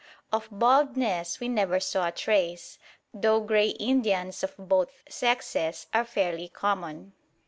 Of baldness we never saw a trace, though grey Indians of both sexes are fairly common.